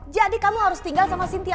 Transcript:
jadi kamu harus tinggal sama cynthia